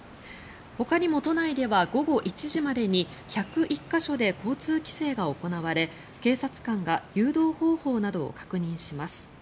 ほかにも都内では午後１時までに１０１か所で交通規制が行われ警察官が誘導方法などを確認します。